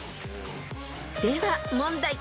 ［では問題］